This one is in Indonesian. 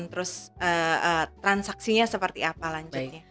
terus transaksinya seperti apa lanjutnya